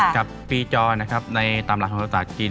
ครับปีจอนะครับในตามหลักของคุณศักดิ์จีน